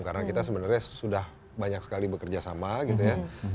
karena kita sebenarnya sudah banyak sekali bekerja sama gitu ya